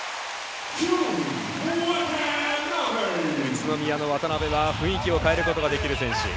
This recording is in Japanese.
宇都宮の渡邉は雰囲気を変えることができる選手。